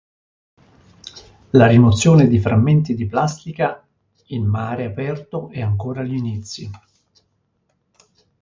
La rimozione di frammenti di plastica in mare aperto è ancora agli inizi.